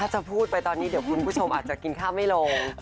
ถ้าจะพูดไปตอนนี้เดี๋ยวคุณผู้ชมอาจจะกินข้าวไม่ลง